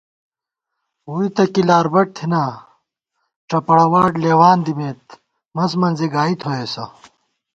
ووئی تہ کی لاربٹ تھنا، ڄپَڑہ واٹ لېوان دِمېت، منز منزےگائی تھوئیسہ